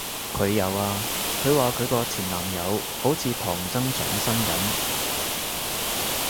佢有啊，佢話佢個前男友好似唐僧上身噉